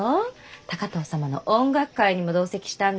高藤様の音楽会にも同席したんですって？